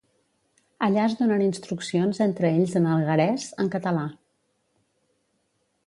Allà es donen instruccions entre ells en alguerès, en català.